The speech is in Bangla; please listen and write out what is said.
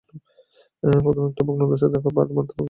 প্রথমে একটা ভগ্নদশায় থাকা পাঁড় মাতালকে খুঁজে বের করা লাগবে।